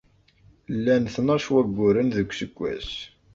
Llan tnac n wagguren deg useggas.